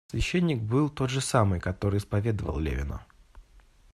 Священник был тот же самый, который исповедывал Левина.